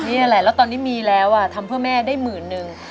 นี่แหละแล้วตอนนี้มีแล้วทำเพื่อแม่ได้หมื่นนึง